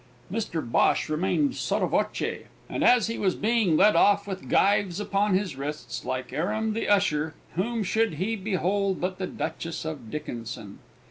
Mr Bhosh remained sotto voce; and as he was being led off with gyves upon his wrists, like Aram the usher, whom should he behold but the Duchess of Dickinson!